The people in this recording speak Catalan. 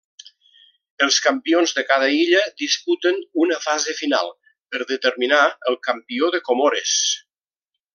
Els campions de cada illa disputen una fase final per determinar el campió de Comores.